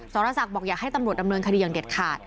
สรศักดิ์บอกอยากให้ตำรวจดำเนินคดีอย่างเด็ดขาด